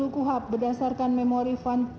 kuhab berdasarkan memori